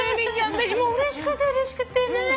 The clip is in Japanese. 私うれしくてうれしくてね。